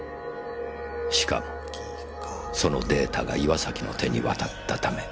しかもそのデータが岩崎の手に渡ったため。